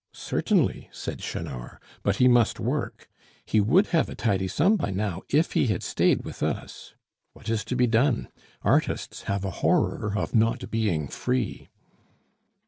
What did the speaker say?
"Certainly," said Chanor; "but he must work. He would have a tidy sum by now if he had stayed with us. What is to be done? Artists have a horror of not being free."